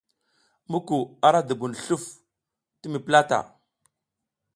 Muku a la dubun sluf ti mi plata.